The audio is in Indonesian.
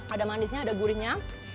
ada manisnya ada gurihnya